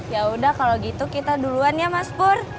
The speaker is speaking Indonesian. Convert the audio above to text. yaudah kalo gitu kita duluan ya mas pur